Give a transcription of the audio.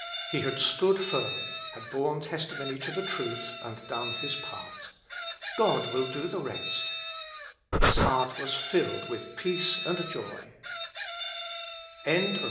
He had stood firm, had borne testimony to the truth and done his part. God will do the rest. His heart was filled with peace and joy. CHAP. IX.